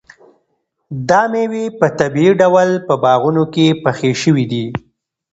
دا مېوې په طبیعي ډول په باغونو کې پخې شوي دي.